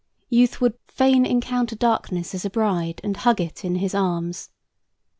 Youth would "fain encounter darkness as a bride and hug it in his arms."